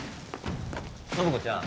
暢子ちゃん